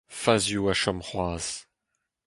Fazioù a chom c'hoazh.